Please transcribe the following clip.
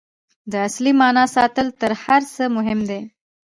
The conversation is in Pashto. د اصلي معنا ساتل تر هر څه مهم دي.